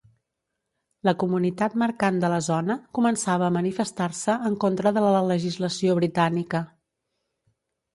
La comunitat mercant de la zona començava a manifestar-se en contra de la legislació britànica.